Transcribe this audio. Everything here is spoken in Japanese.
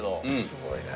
すごいね。